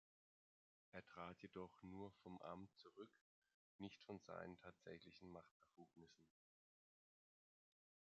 Er trat jedoch nur vom Amt zurück, nicht von seinen tatsächlichen Machtbefugnissen.